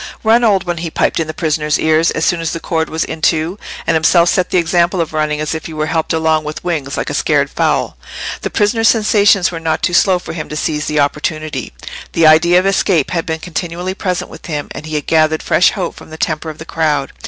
"Run, old one!" he piped in the prisoner's ear, as soon as the cord was in two; and himself set the example of running as if he were helped along with wings, like a scared fowl. The prisoner's sensations were not too slow for him to seize the opportunity: the idea of escape had been continually present with him, and he had gathered fresh hope from the temper of the crowd.